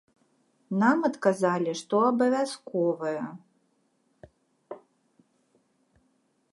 Нам адказалі, што абавязковае.